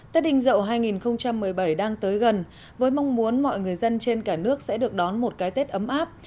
tết đình dậu hai nghìn một mươi bảy đang tới gần với mong muốn mọi người dân trên cả nước sẽ được đón một cái tết ấm áp